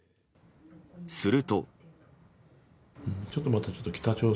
すると。